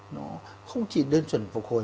nó không chỉ đơn chuẩn phục hồi